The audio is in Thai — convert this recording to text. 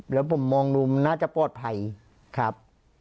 แล้วผมมองมุมน่าจะปลอดภัยครับ